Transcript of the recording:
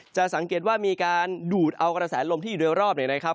จะสังเกตว่ามีการดูดเอากระแสลมที่อยู่โดยรอบเนี่ยนะครับ